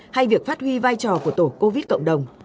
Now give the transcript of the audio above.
hay việc phát huy vai trò của tổ covid cộng đồng